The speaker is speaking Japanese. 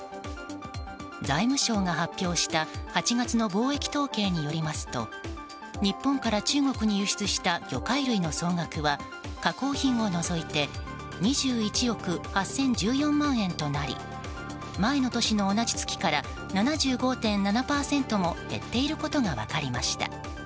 財務省が発表した８月の貿易統計によりますと日本から中国に輸出した魚介類の総額は加工品を除いて２１億８０１４万円となり前の年の同じ月から７５．７％も減っていることが分かりました。